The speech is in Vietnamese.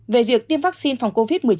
về việc tiêm vaccine phòng covid một mươi chín